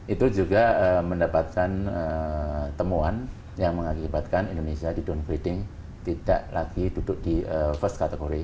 itu juga mendapatkan temuan yang mengakibatkan indonesia di downbriding tidak lagi duduk di first category